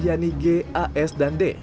yani g a s dan d